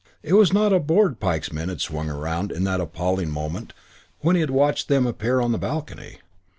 It was not a board Pike's men had swung around in that appalling moment when he had watched them appear on the balcony.